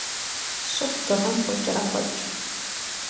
Щӏыр Дыгъэм къокӏэрэхъуэкӏ.